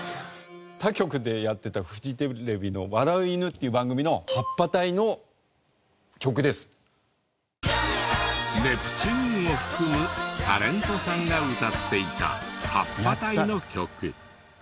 他局でやってたフジテレビの『笑う犬』っていう番組のネプチューンを含むタレントさんが歌っていたはっぱ隊の曲。